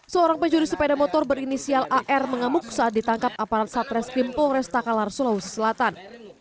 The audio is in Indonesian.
seorang penjuri sepeda motor berinisial ar mengemuk saat ditangkap aparat satres pimpol restakalar sulawesi selatan